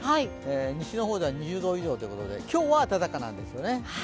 西の方では２０度以上ということで今日は暖かなんですよね。